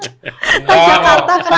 tak jakarta kerasa